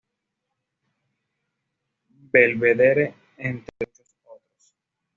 Belvedere, entre muchos otros.